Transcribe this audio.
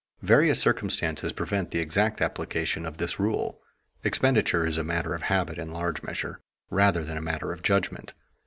Various circumstances prevent the exact application of this rule. Expenditure is a matter of habit, in large measure, rather than a matter of judgment.